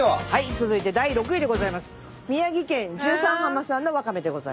続いて第６位でございます。